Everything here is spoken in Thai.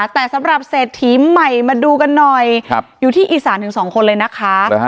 แต่สำหรับเศรษฐีใหม่มาดูกันหน่อยอยู่ที่อีสานถึง๒คนเลยนะคะ